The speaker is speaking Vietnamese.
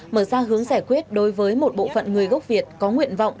mở ra hướng giải quyết đối với một bộ phận người gốc việt có nguyện vọng